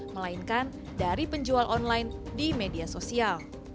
melainkan dari penjual online di media sosial